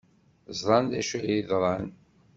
Ẓran d acu ay yeḍran.